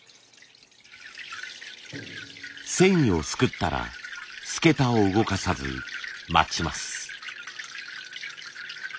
繊維をすくったら簀桁を動かさず待ちます。